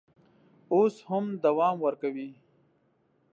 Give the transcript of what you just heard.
اوس هم دوام ورکوي.